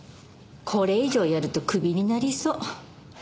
これ以上やるとクビになりそう。